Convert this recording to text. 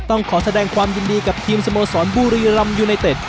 ต้องขอแสดงความยินดีกับทีมสโมสรบุรีรำยูไนเต็ด